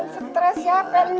siapa yang stress